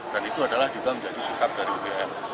dan itu adalah juga menjadi sikap dari ugm